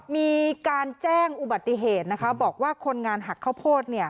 มีการแจ้งอุบัติเหตุนะคะบอกว่าคนงานหักข้าวโพด